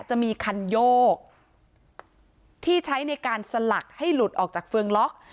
จะมีคันโยกที่ใช้ในการสลักให้หลุดออกจากเฟืองล็อก